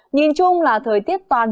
nhìn chung là thời tiết toàn bộ